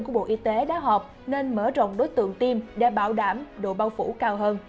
của bộ y tế đã họp nên mở rộng đối tượng tiêm để bảo đảm độ bao phủ cao hơn